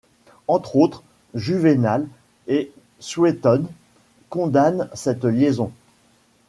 Entre autres, Juvénal et Suétone condamnent cette liaison.